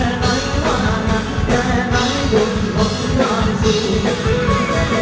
เรากลางเจอกันโต่งเรากลาก